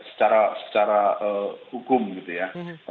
secara hukum gitu ya